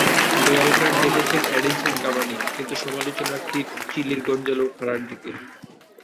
লাল card দেখেছেন Edinson Cavani, কিন্তু সমালোচনার তির চিলির গঞ্জালো হারার দিকে।